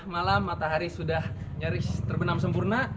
malam matahari sudah nyaris terbenam sempurna